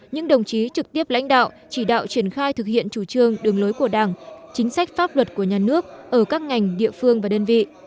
những đồng chí trực tiếp lãnh đạo chỉ đạo triển khai thực hiện chủ trương đường lối của đảng chính sách pháp luật của nhà nước ở các ngành địa phương và đơn vị